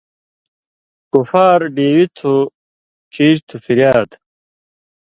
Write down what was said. کفار ڈِیویتُھو کیریتھو فریاد